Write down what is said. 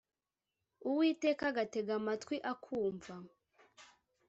Uwiteka agatega amatwi akumva